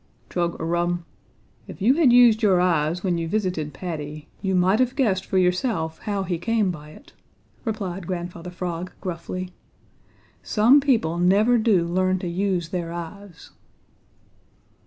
"Chug a rum! If you had used your eyes when you visited Paddy, you might have guessed for yourself how he came by it," replied Grandfather Frog gruffly. "Some people never do learn to use their eyes."